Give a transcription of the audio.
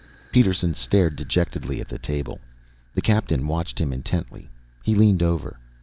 Peterson stared dejectedly at the table. The Captain watched him intently. He leaned over.